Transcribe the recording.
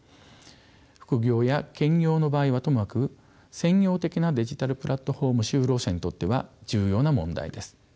副業や兼業の場合はともかく専業的なデジタルプラットフォーム就労者にとっては重要な問題です。